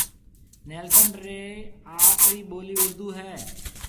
نيلسن رِي آپرِي ٻولِي اُردو ھيََََ